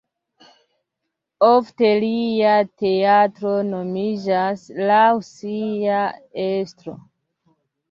Ofte lia teatro nomiĝas laŭ sia estro.